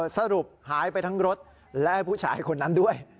สรุปหายไปทั้งรถและผู้ชายคนนั้นด้วย